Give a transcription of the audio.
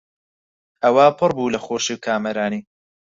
ئەوا پڕ بوو لە خۆشی و کامەرانی